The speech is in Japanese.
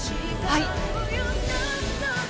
はい。